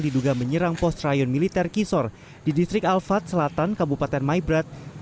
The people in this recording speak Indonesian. diduga menyerang pos rayon militer kisor di distrik alfat selatan kabupaten maibrat